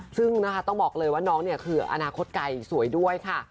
ซึ่งต้องบอกเลยว่าน้องคืออนาคตไก่สวยด้วยค่ะ